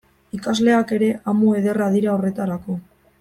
Ikasleak ere amu ederra dira horretarako.